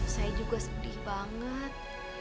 saya juga sedih banget